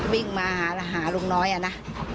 วิ่งมาหาลุงน้อยอะนะ